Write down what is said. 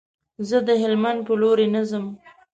زه د هلمند په لوري نه ځم.